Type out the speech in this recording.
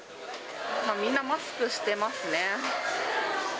みんなマスクしてますね。